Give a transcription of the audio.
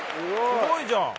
すごいじゃん！